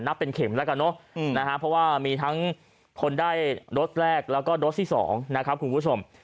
เป็นเข็มแล้วกันเนอะนะฮะเพราะว่ามีทั้งคนได้โดสแรกแล้วก็โดสที่๒นะครับคุณผู้ชม